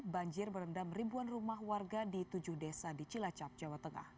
banjir merendam ribuan rumah warga di tujuh desa di cilacap jawa tengah